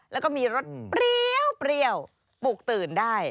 แล้วก็มีรสเปรี้ยวปลูกตื่นได้